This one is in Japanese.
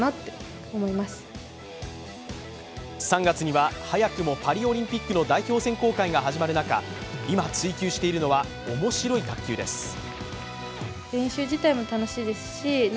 ３月には早くもパリオリンピックの代表選考会が始まる中、今、追求しているのは面白い卓球です。